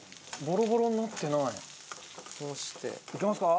いけますか？